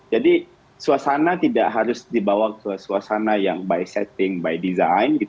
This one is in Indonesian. jadi suasana tidak harus dibawa ke suasana yang by setting by design